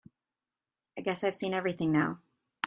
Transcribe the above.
I guess I've seen everything now.